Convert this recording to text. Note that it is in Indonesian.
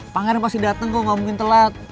pangeran pasti datang kok gak mungkin telat